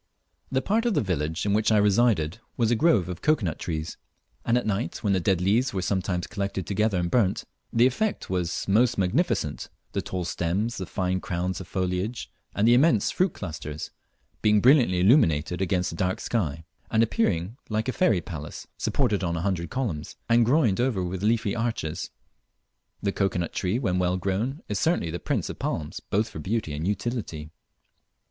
The part of the village in which I resided was a grove of cocoa nut trees, and at night, when the dead leaves were sometimes collected together and burnt, the effect was most magnificent the tall stems, the fine crowns of foliage, and the immense fruit clusters, being brilliantly illuminated against a dark sky, and appearing like a fairy palace supported on a hundred columns, and groined over with leafy arches. The cocoa nut tree, when well grown, is certainly the prince of palms both for beauty and utility.